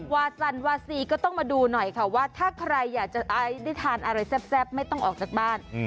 วาซันวาซีก็ต้องมาดูหน่อยค่ะว่าถ้าใครอยากจะได้ทานอะไรแซ่บไม่ต้องออกจากบ้าน